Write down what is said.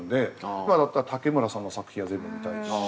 今だったら竹村さんの作品は全部見たいし。